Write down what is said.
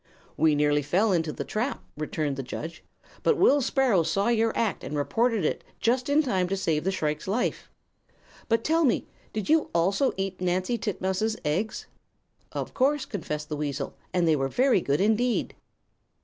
"'We nearly fell into the trap,' returned the judge; 'but Will Sparrow saw your act and reported it just in time to save the shrike's life. But tell me, did you also eat Nancy Titmouse's eggs?' "'Of course,' confessed the weasel, 'and they were very good, indeed.'